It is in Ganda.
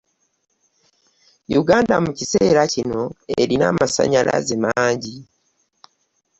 Uganda mu kiseera kino erina amasannyalaze mangi